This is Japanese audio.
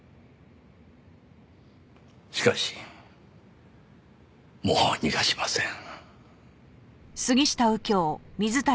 しかしもう逃がしません。